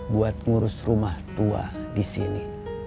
buat ngurus rumah tua di sini